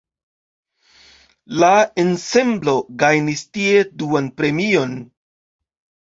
La ensemblo gajnis tie duan premion.